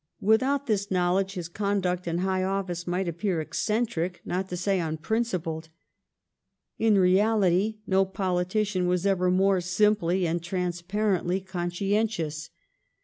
Without this knowledge his conduct in high office might appear eccentric not to say unprincipled. In reality no politician was ever more simply and transparently conscientious.